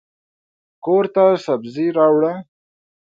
کورته سبزي راوړه.